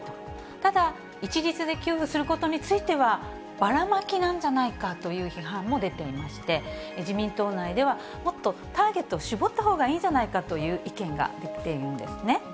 ただ、一律で給付することについては、バラマキなんじゃないかという批判も出ていまして、自民党内では、もっとターゲットを絞ったほうがいいんじゃないかという意見が出ているんですね。